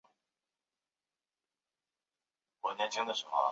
格罗索立功啦！